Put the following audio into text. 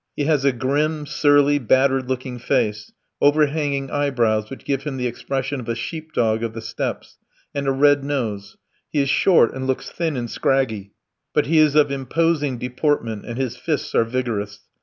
He has a grim, surly, battered looking face, overhanging eyebrows which give him the expression of a sheep dog of the steppes, and a red nose; he is short and looks thin and scraggy, but he is of imposing deportment and his fists are vigorous.